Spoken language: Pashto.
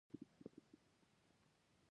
ټېکنالوژيکي بدلون دلایلو دي.